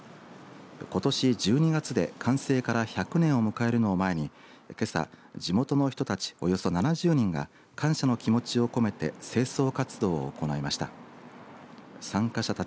ことし１２月で、完成から１００年を迎えるのを前にけさ地元の人たち、およそ７０人が感謝の気持ちを込めて清掃活動を行いました。